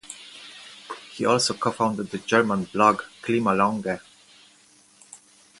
He also co-founded the German blog "KlimaLounge".